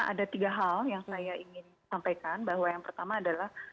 ada tiga hal yang saya ingin sampaikan bahwa yang pertama adalah